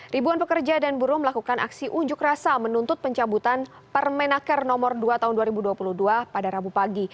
ribuan pekerja dan buruh melakukan aksi unjuk rasa menuntut pencabutan permenaker nomor dua tahun dua ribu dua puluh dua pada rabu pagi